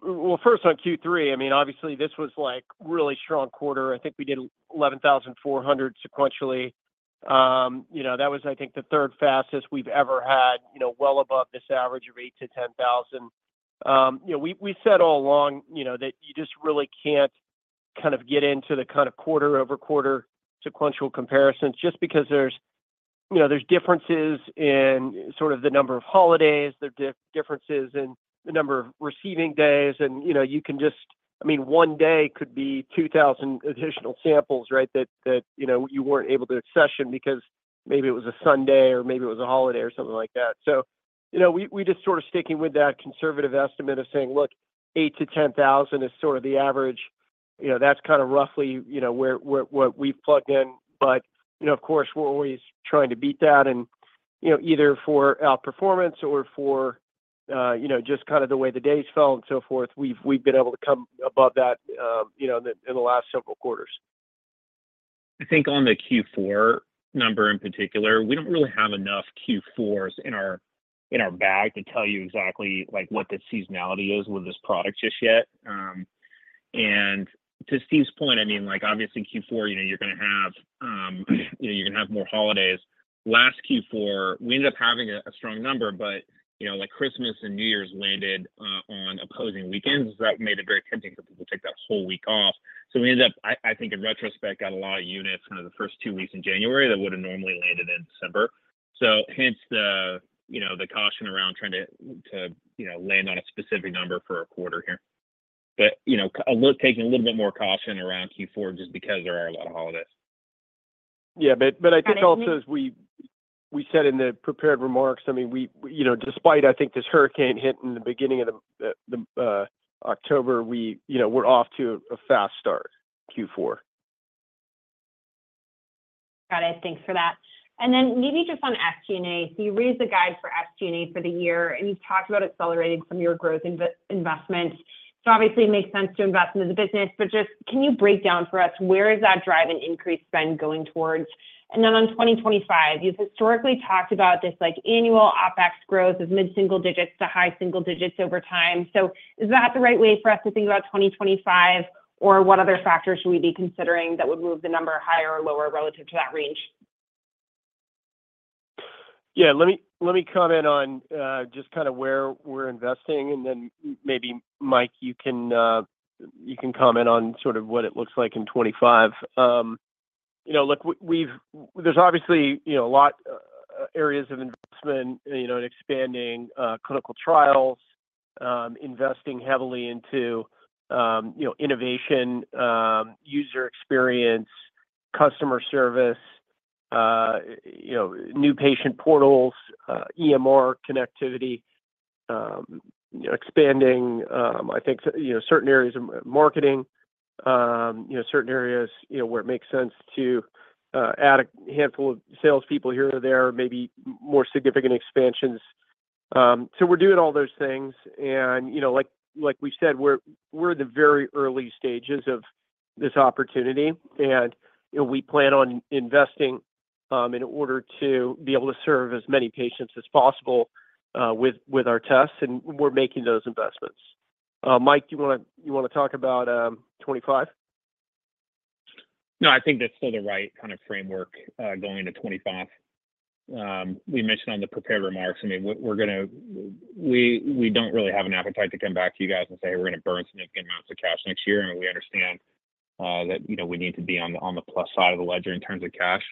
well, first on Q3, I mean, obviously, this was like a really strong quarter. I think we did 11,400 sequentially. That was, I think, the third fastest we've ever had, well above this average of 8,000-10,000. We said all along that you just really can't kind of get into the kind of quarter-over-quarter sequential comparisons just because there's differences in sort of the number of holidays. There are differences in the number of receiving days. And you can just, I mean, one day could be 2,000 additional samples, right, that you weren't able to accession because maybe it was a Sunday or maybe it was a holiday or something like that. So we're just sort of sticking with that conservative estimate of saying, "Look, 8,000-10,000 is sort of the average." That's kind of roughly what we've plugged in. But of course, we're always trying to beat that. And either for outperformance or for just kind of the way the days fell and so forth, we've been able to come above that in the last several quarters. I think on the Q4 number in particular, we don't really have enough Q4s in our bag to tell you exactly what the seasonality is with this product just yet. And to Steve's point, I mean, obviously, Q4, you're going to have more holidays. Last Q4, we ended up having a strong number, but Christmas and New Year's landed on opposing weekends. That made it very tempting for people to take that whole week off. So we ended up, I think in retrospect, got a lot of units kind of the first two weeks in January that would have normally landed in December. So hence the caution around trying to land on a specific number for a quarter here. But taking a little bit more caution around Q4 just because there are a lot of holidays. Yeah. But I think also as we said in the prepared remarks, I mean, despite I think this hurricane hit in the beginning of October, we're off to a fast start Q4. Got it. Thanks for that. Then maybe just on SG&A, so you raised the guide for SG&A for the year, and you've talked about accelerating some of your growth investments. So obviously, it makes sense to invest into the business. But just can you break down for us where is that driven increase in spend going towards? Then on 2025, you've historically talked about this annual OpEx growth of mid-single digits to high single digits over time. So is that the right way for us to think about 2025, or what other factors should we be considering that would move the number higher or lower relative to that range? Yeah. Let me comment on just kind of where we're investing. And then maybe Mike, you can comment on sort of what it looks like in 2025. Look, there's obviously a lot of areas of investment and expanding clinical trials, investing heavily into innovation, user experience, customer service, new patient portals, EMR connectivity, expanding, I think, certain areas of marketing, certain areas where it makes sense to add a handful of salespeople here or there, maybe more significant expansions. So we're doing all those things. And like we've said, we're in the very early stages of this opportunity. And we plan on investing in order to be able to serve as many patients as possible with our tests. And we're making those investments. Mike, do you want to talk about 2025? No, I think that's still the right kind of framework going into 2025. We mentioned on the prepared remarks, I mean, we don't really have an appetite to come back to you guys and say, "Hey, we're going to burn significant amounts of cash next year." And we understand that we need to be on the plus side of the ledger in terms of cash.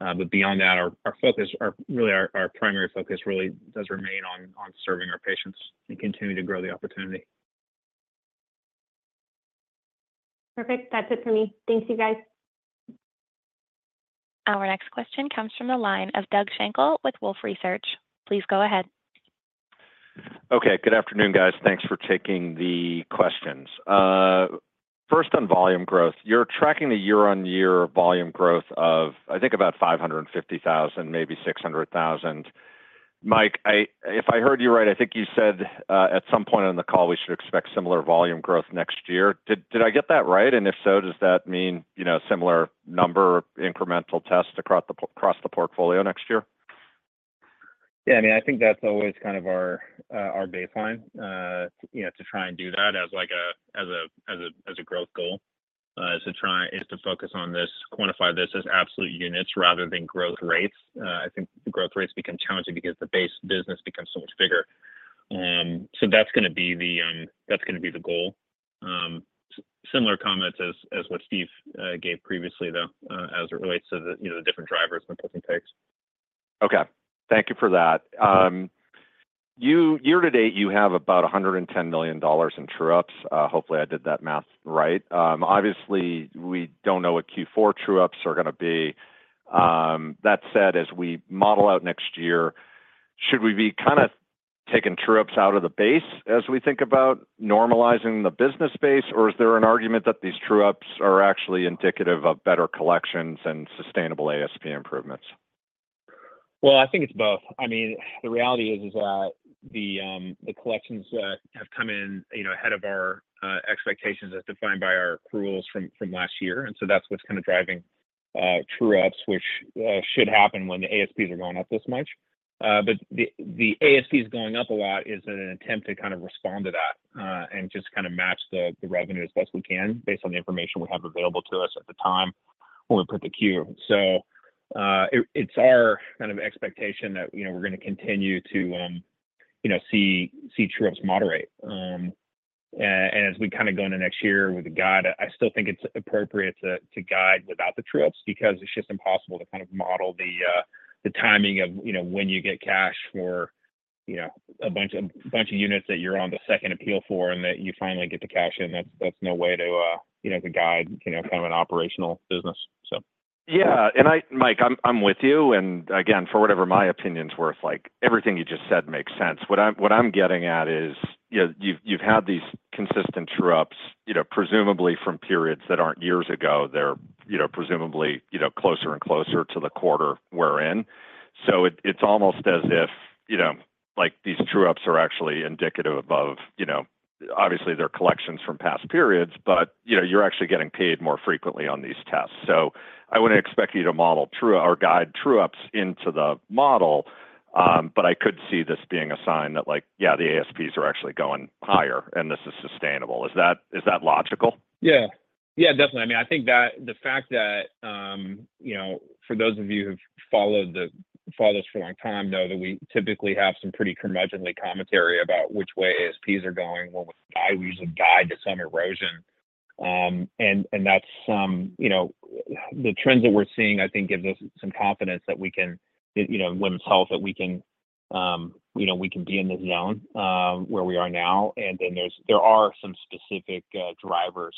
But beyond that, our focus, really our primary focus really does remain on serving our patients and continuing to grow the opportunity. Perfect. That's it for me. Thanks, you guys. Our next question comes from a line of Doug Schenkel with Wolfe Research. Please go ahead. Okay. Good afternoon, guys. Thanks for taking the questions. First on volume growth, you're tracking the year-on-year volume growth of, I think, about 550,000, maybe 600,000. Mike, if I heard you right, I think you said at some point on the call, we should expect similar volume growth next year. Did I get that right? And if so, does that mean a similar number of incremental tests across the portfolio next year? Yeah. I mean, I think that's always kind of our baseline to try and do that as a growth goal, is to focus on this, quantify this as absolute units rather than growth rates. I think the growth rates become challenging because the base business becomes so much bigger. So that's going to be the goal. Similar comments as what Steve gave previously, though, as it relates to the different drivers and the pushing takes. Okay. Thank you for that. Year to date, you have about $110 million in true-ups. Hopefully, I did that math right. Obviously, we don't know what Q4 true-ups are going to be. That said, as we model out next year, should we be kind of taking true-ups out of the base as we think about normalizing the business base, or is there an argument that these true-ups are actually indicative of better collections and sustainable ASP improvements? I think it's both. I mean, the reality is that the collections have come in ahead of our expectations as defined by our rules from last year. And so that's what's kind of driving true-ups, which should happen when the ASPs are going up this much. But the ASPs going up a lot is an attempt to kind of respond to that and just kind of match the revenue as best we can based on the information we have available to us at the time when we put the Q. So it's our kind of expectation that we're going to continue to see true-ups moderate. As we kind of go into next year with the guide, I still think it's appropriate to guide without the true-ups because it's just impossible to kind of model the timing of when you get cash for a bunch of units that you're on the second appeal for and that you finally get the cash in. That's no way to guide kind of an operational business, so. Yeah. And Mike, I'm with you. And again, for whatever my opinion's worth, everything you just said makes sense. What I'm getting at is you've had these consistent true-ups, presumably from periods that aren't years ago. They're presumably closer and closer to the quarter we're in. So it's almost as if these true-ups are actually indicative of, obviously, their collections from past periods, but you're actually getting paid more frequently on these tests. So I wouldn't expect you to model or guide true-ups into the model, but I could see this being a sign that, yeah, the ASPs are actually going higher and this is sustainable. Is that logical? Yeah. Yeah, definitely. I mean, I think that the fact that for those of you who've followed us for a long time know that we typically have some pretty curmudgeonly commentary about which way ASPs are going. I usually guide to some erosion, and those are the trends that we're seeing. I think that gives us some confidence that we can limit the ASP, that we can be in the zone where we are now. And then there are some specific drivers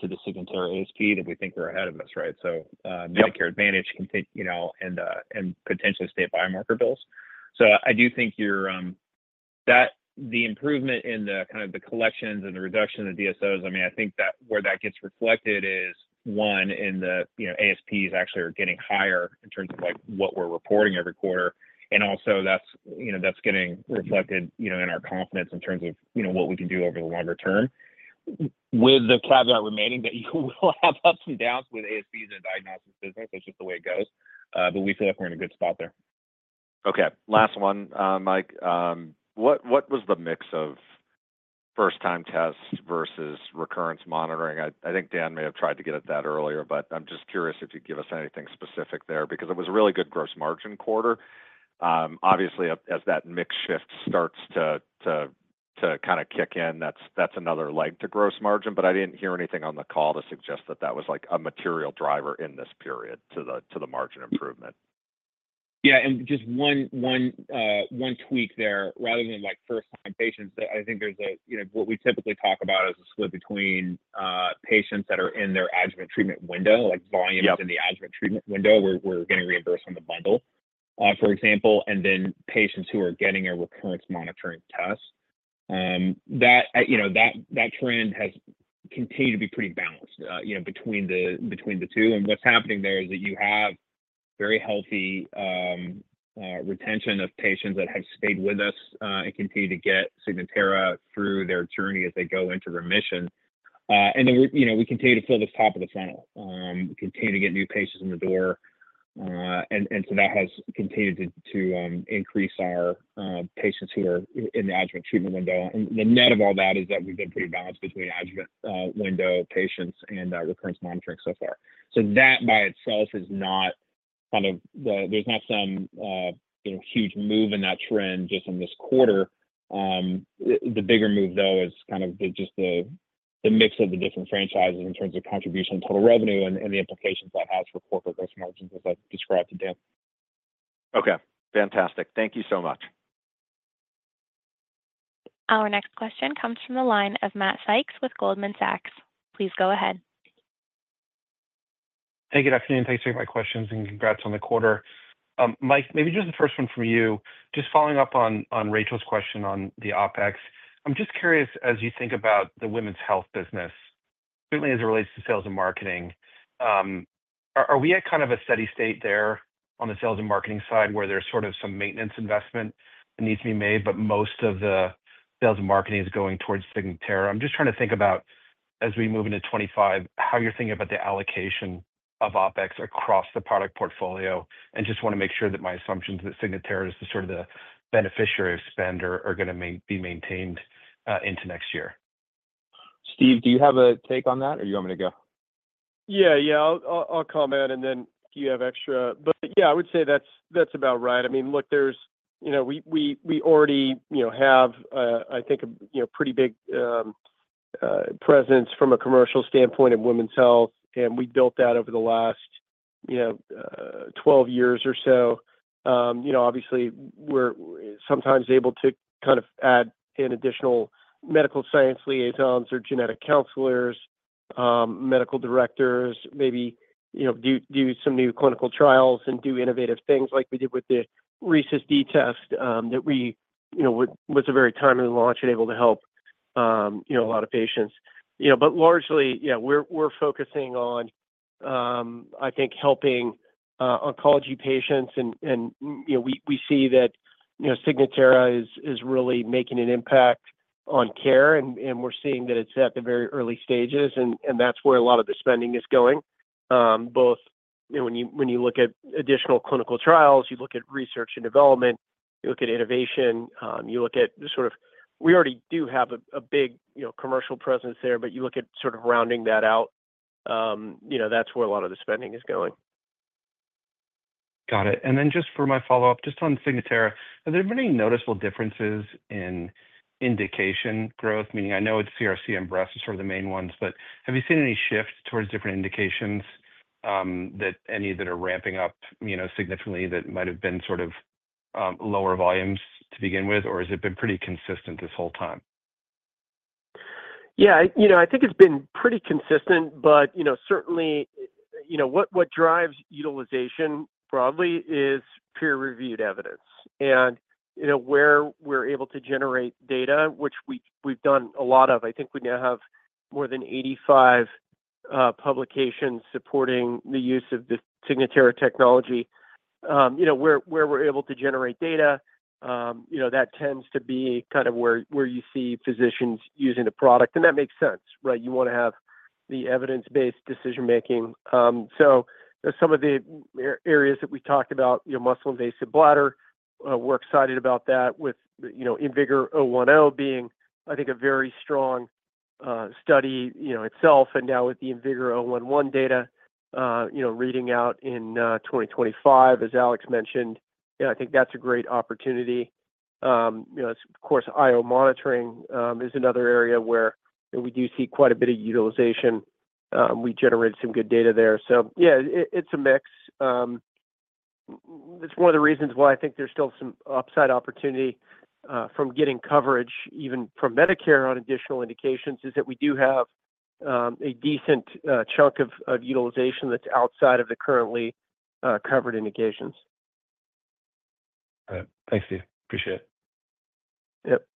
to the Signatera ASP that we think are ahead of us, right? So Medicare Advantage and potentially state biomarker bills. So I do think the improvement in kind of the collections and the reduction of the DSOs, I mean, I think that where that gets reflected is, one, in the ASPs actually are getting higher in terms of what we're reporting every quarter. And also, that's getting reflected in our confidence in terms of what we can do over the longer term, with the caveat remaining that you will have ups and downs with ASPs and diagnostics business. That's just the way it goes. But we feel like we're in a good spot there. Okay. Last one, Mike. What was the mix of first-time tests versus recurrence monitoring? I think Dan may have tried to get at that earlier, but I'm just curious if you'd give us anything specific there because it was a really good gross margin quarter. Obviously, as that mix shift starts to kind of kick in, that's another leg to gross margin. But I didn't hear anything on the call to suggest that that was a material driver in this period to the margin improvement. Yeah. And just one tweak there. Rather than first-time patients, I think there's what we typically talk about as a split between patients that are in their adjuvant treatment window, like volumes in the adjuvant treatment window where we're getting reimbursed on the bundle, for example, and then patients who are getting a recurrence monitoring test. That trend has continued to be pretty balanced between the two. And what's happening there is that you have very healthy retention of patients that have stayed with us and continue to get Signatera through their journey as they go into remission. And then we continue to fill this top of the funnel. We continue to get new patients in the door. And so that has continued to increase our patients who are in the adjuvant treatment window. And the net of all that is that we've been pretty balanced between adjuvant window patients and recurrence monitoring so far. So that by itself is not kind of. There's not some huge move in that trend just in this quarter. The bigger move, though, is kind of just the mix of the different franchises in terms of contribution and total revenue and the implications that has for corporate gross margins, as I described to Dan. Okay. Fantastic. Thank you so much. Our next question comes from a line of Matt Sykes with Goldman Sachs. Please go ahead. Hey, good afternoon. Thanks for my questions and congrats on the quarter. Mike, maybe just the first one from you. Just following up on Rachel's question on the OpEx, I'm just curious, as you think about the women's health business, certainly as it relates to sales and marketing, are we at kind of a steady state there on the sales and marketing side where there's sort of some maintenance investment that needs to be made, but most of the sales and marketing is going towards Signatera? I'm just trying to think about, as we move into 2025, how you're thinking about the allocation of OpEx across the product portfolio and just want to make sure that my assumptions that Signatera is sort of the beneficiary spender are going to be maintained into next year. Steve, do you have a take on that, or do you want me to go? Yeah. Yeah. I'll comment, and then if you have extra. But yeah, I would say that's about right. I mean, look, we already have, I think, a pretty big presence from a commercial standpoint of women's health, and we built that over the last 12 years or so. Obviously, we're sometimes able to kind of add in additional medical science liaisons or genetic counselors, medical directors, maybe do some new clinical trials and do innovative things like we did with the RhD test that was a very timely launch and able to help a lot of patients. But largely, yeah, we're focusing on, I think, helping oncology patients. And we see that Signatera is really making an impact on care, and we're seeing that it's at the very early stages. And that's where a lot of the spending is going, both when you look at additional clinical trials, you look at research and development, you look at innovation, you look at sort of we already do have a big commercial presence there, but you look at sort of rounding that out. That's where a lot of the spending is going. Got it. And then just for my follow-up, just on Signatera, have there been any noticeable differences in indication growth? Meaning, I know it's CRC and breasts are sort of the main ones, but have you seen any shifts towards different indications, any that are ramping up significantly that might have been sort of lower volumes to begin with, or has it been pretty consistent this whole time? Yeah. I think it's been pretty consistent, but certainly, what drives utilization broadly is peer-reviewed evidence. And where we're able to generate data, which we've done a lot of, I think we now have more than 85 publications supporting the use of the Signatera technology. Where we're able to generate data, that tends to be kind of where you see physicians using the product. And that makes sense, right? You want to have the evidence-based decision-making. So some of the areas that we talked about, muscle-invasive bladder, we're excited about that with IMvigor010 being, I think, a very strong study itself. And now with the IMvigor011 data reading out in 2025, as Alex mentioned, I think that's a great opportunity. Of course, IO monitoring is another area where we do see quite a bit of utilization. We generated some good data there. So yeah, it's a mix. It's one of the reasons why I think there's still some upside opportunity from getting coverage, even from Medicare on additional indications, is that we do have a decent chunk of utilization that's outside of the currently covered indications. All right. Thanks, Steve. Appreciate it. Yep.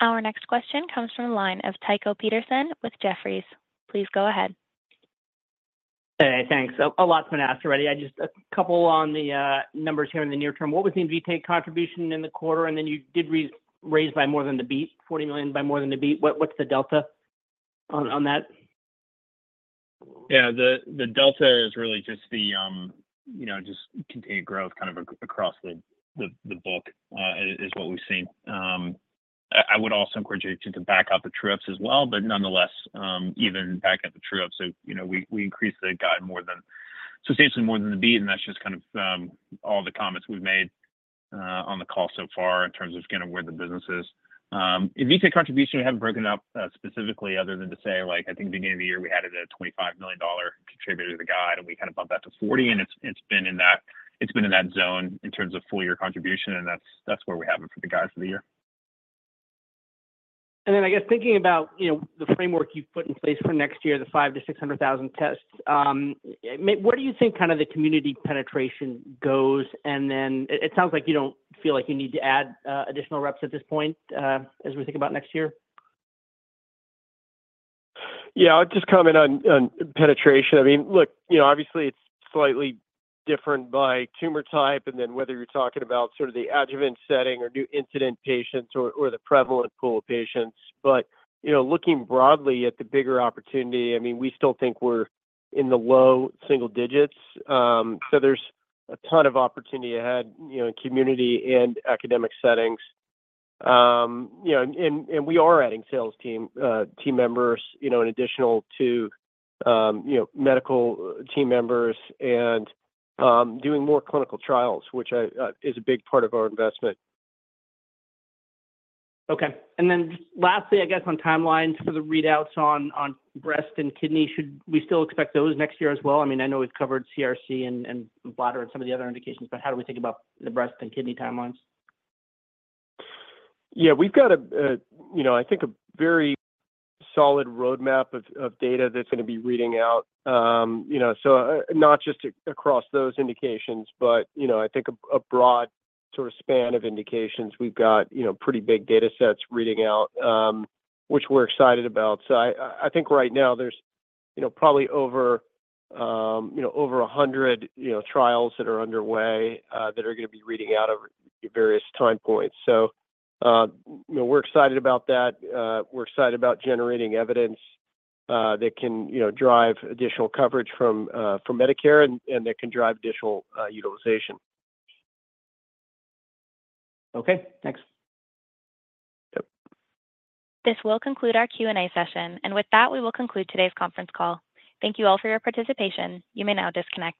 Our next question comes from a line of Tycho Peterson with Jefferies. Please go ahead. Hey, thanks. A lot's been asked already. Just a couple on the numbers here in the near term. What was the intake contribution in the quarter? And then you did raise by more than the beat, $40 million by more than the beat. What's the delta on that? Yeah. The delta is really just the continued growth kind of across the book is what we've seen. I would also encourage you to back out the true-ups as well, but nonetheless, even backing out the true-ups, we increased the guide substantially more than the beat. And that's just kind of all the comments we've made on the call so far in terms of kind of where the business is. Invitae contribution, we haven't broken up specifically other than to say, I think at the beginning of the year, we had a $25 million contributor to the guide, and we kind of bumped that to $40 million. And it's been in that zone in terms of full-year contribution, and that's where we have it for the guide of the year. And then I guess thinking about the framework you've put in place for next year, the 5 to 600,000 tests, where do you think kind of the community penetration goes? And then it sounds like you don't feel like you need to add additional reps at this point as we think about next year. Yeah. I'll just comment on penetration. I mean, look, obviously, it's slightly different by tumor type and then whether you're talking about sort of the adjuvant setting or new incident patients or the prevalent pool of patients. But looking broadly at the bigger opportunity, I mean, we still think we're in the low single digits. So there's a ton of opportunity ahead in community and academic settings. And we are adding sales team members in addition to medical team members and doing more clinical trials, which is a big part of our investment. Okay. And then lastly, I guess on timelines for the readouts on breast and kidney, should we still expect those next year as well? I mean, I know we've covered CRC and bladder and some of the other indications, but how do we think about the breast and kidney timelines? Yeah. We've got, I think, a very solid roadmap of data that's going to be reading out. So not just across those indications, but I think a broad sort of span of indications. We've got pretty big data sets reading out, which we're excited about. So I think right now there's probably over 100 trials that are underway that are going to be reading out at various time points. So we're excited about that. We're excited about generating evidence that can drive additional coverage from Medicare and that can drive additional utilization. Okay. Thanks. This will conclude our Q&A session. And with that, we will conclude today's conference call. Thank you all for your participation. You may now disconnect.